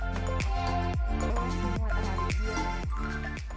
adonan yang telah dicampur dengan telur kemudian dicetak dengan scoop untuk kemudian dipanggang